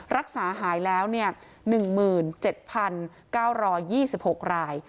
รักษาหายแล้ว๑๗๙๒๖ราย